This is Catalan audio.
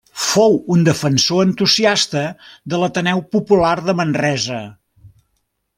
Fou un defensor entusiasta de l'Ateneu Popular de Manresa.